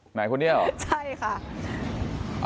หนักคนนี้หรอใช่ค่ะ